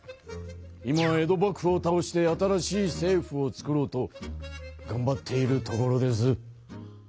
今江戸幕府を倒して新しい政府を作ろうとがんばっているところです。